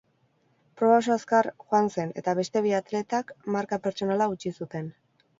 Proba oso azkar joan zen eta beste bi atletak marka pertsonala hautsi zuten.